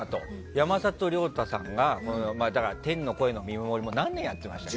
山里亮太さんが天の声の見守りも何年やってましたっけ。